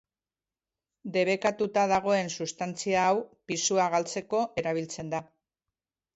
Debekatuta dagoen substantzia hau pisua galtzeko erabiltzen da.